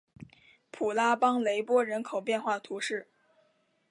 普拉邦雷波人口变化图示